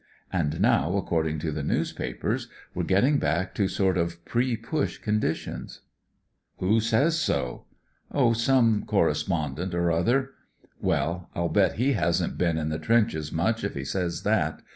And now, according to the newspapers, we're getting back to sort of pre Push conditions." Who says so ?" Oh, some correspondent or another." Well, I'll bet he hasn't been in the trenches much if he says that.